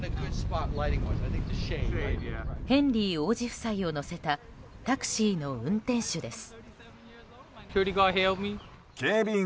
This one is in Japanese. ヘンリー王子夫妻を乗せたタクシーの運転手です。